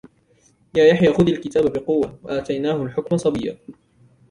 يَا يَحْيَى خُذِ الْكِتَابَ بِقُوَّةٍ وَآتَيْنَاهُ الْحُكْمَ صَبِيًّا